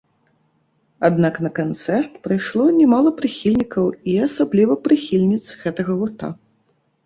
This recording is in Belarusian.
Аднак на канцэрт прыйшло не мала прыхільнікаў і, асабліва, прыхільніц гэтага гурта.